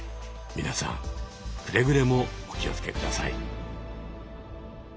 皆さんくれぐれもお気をつけください。